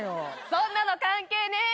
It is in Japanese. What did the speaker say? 「そんなの関係ねぇ！